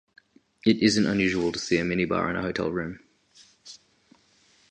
It isn't unusual to see a minibar in a hotel room.